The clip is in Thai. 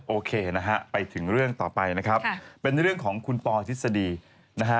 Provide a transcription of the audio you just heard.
โอเคนะฮะไปถึงเรื่องต่อไปนะครับเป็นเรื่องของคุณปอทฤษฎีนะฮะ